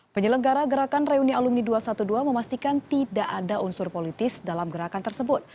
penyelenggara gerakan reuni alumni dua ratus dua belas memastikan tidak ada unsur politis dalam gerakan tersebut